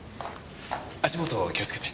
足下気をつけて。